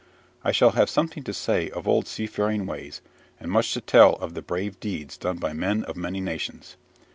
I shall have something to say of old seafaring ways, and much to tell of the brave deeds done by men of many nations.